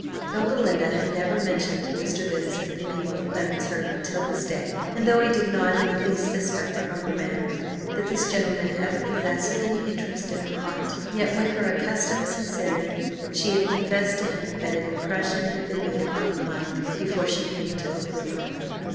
Though Belinda had never mentioned to Mr. Vincent the name of Clarence Hervey till this day, and though he did not in the least suspect from her manner that this gentleman ever possessed any interest in her heart; yet, with her accustomed sincerity, she had confessed to him that an impression had been made upon her mind before she came to Oakly park.